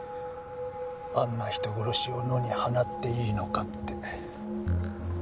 「あんな人殺しを野に放っていいのか」って。